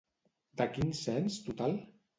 De quin cens total?